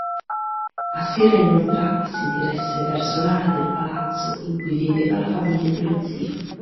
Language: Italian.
A sera inoltrata si diresse verso l’ala del Palazzo in cui viveva la famiglia dello zio.